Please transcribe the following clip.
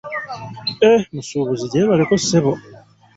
..."Eh musuubuzi gyebaleko ssebo?